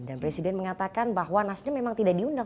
dan presiden mengatakan bahwa nasdem memang tidak diundang